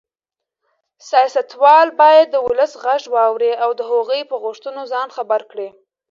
سیاستوال باید د ولس غږ واوري او د هغوی په غوښتنو ځان خبر کړي.